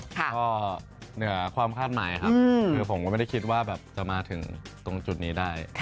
ก็เหนือความคาดหมายครับคือผมก็ไม่ได้คิดว่าแบบจะมาถึงตรงจุดนี้ได้